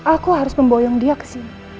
aku harus memboyong dia ke sini